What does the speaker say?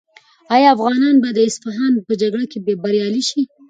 آیا افغانان به د اصفهان په جګړه کې بریالي شي؟